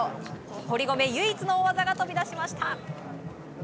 堀米唯一の大技が飛び出しました！